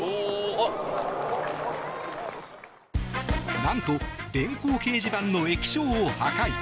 なんと電光掲示板の液晶を破壊。